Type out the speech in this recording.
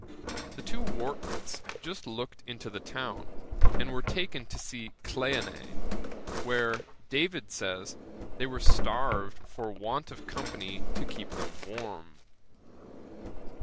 'The two Wartons just looked into the town, and were taken to see Cleone, where, David says, they were starved for want of company to keep them warm.